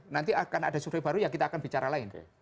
nanti akan ada survei baru ya kita akan bicara lain